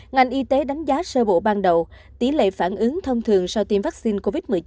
ngành y tế đánh giá sơ bộ ban đầu tỷ lệ phản ứng thông thường sau tiêm vaccine covid một mươi chín